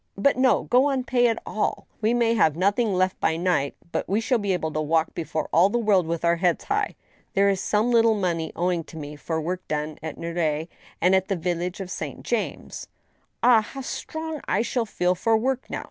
. but, no !— ^Go on, pay it all away. We may have noth ing left by night, but we shall be able to walk before all the world with our heads high. There is some little money owing to me for work done at Neuilly and at the village of St. James. Ah ! how strong I shall feel for work now